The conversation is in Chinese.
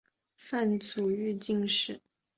范祖禹进士。